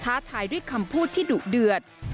ท้าทายด้วยคำพูดที่ดุเดือด